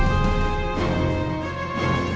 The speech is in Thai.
สวัสดีครับ